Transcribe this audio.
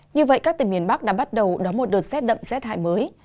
như vậy các tỉnh miền bắc đã bắt đầu đóng một đợt xét đậm xét hại mới